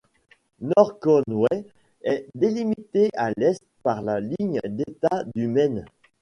North Conway est délimité à l'est par la ligne d'État du Maine.